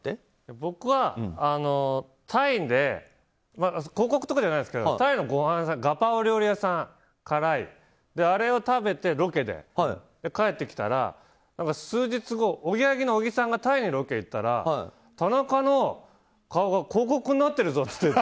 僕は広告とかじゃないですけどタイのガパオ料理屋さん、辛いあれをロケで食べて帰ってきたら、数日後おぎやはぎの小木さんがタイにロケに行ったら田中の顔が広告になってるぞって。